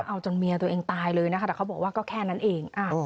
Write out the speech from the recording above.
เอาจนเมียตัวเองตายเลยนะคะแต่เขาบอกว่าก็แค่นั้นเอง